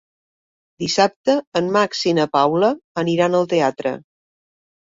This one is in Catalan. Dissabte en Max i na Paula aniran al teatre.